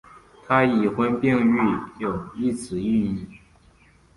他已婚并育有一子一女。